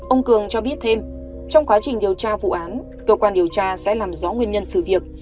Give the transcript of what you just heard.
ông cường cho biết thêm trong quá trình điều tra vụ án cơ quan điều tra sẽ làm rõ nguyên nhân sự việc